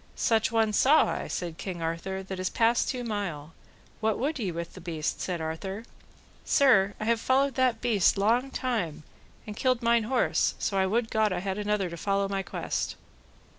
Such one saw I, said King Arthur, that is past two mile; what would ye with the beast? said Arthur. Sir, I have followed that beast long time, and killed mine horse, so would God I had another to follow my quest.